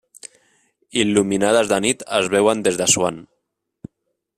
Il·luminades de nit es veuen des d'Assuan.